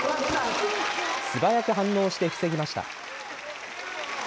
素早く反応して防ぎました。